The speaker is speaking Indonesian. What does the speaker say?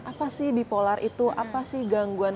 apa sih bipolar itu apa sih gangguan